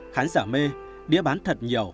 khán giả mê đĩa bán thật nhiều